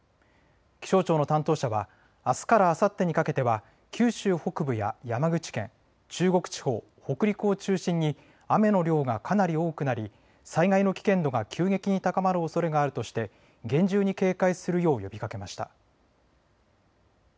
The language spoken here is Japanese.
気象庁の担当者はあすからあさってにかけては九州北部や山口県、中国地方、北陸を中心に雨の量がかなり多くなり災害の危険度が急激に高まるおそれがあるとして厳重に警戒するよう呼びかけました。